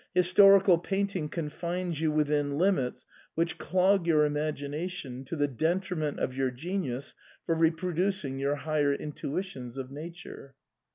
His torical painting confines you within limits which clog your imagination to the detriment of your genius for reproducing your higher intuitions of Nature."